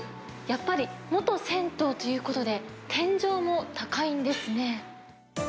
やっぱり元銭湯ということで、天井も高いんですね。